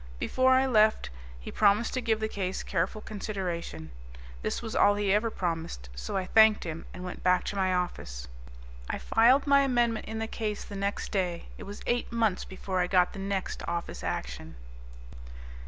Before I left he promised to give the case careful consideration. This was all he ever promised, so I thanked him and went back to my office. I filed my amendment in the case the next day. It was eight months before I got the next Office Action.